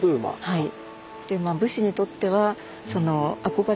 はい。